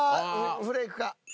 フレークか？